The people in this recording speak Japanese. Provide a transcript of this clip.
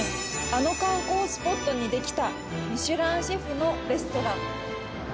「あの観光スポットにできたミシュランシェフのレストラン」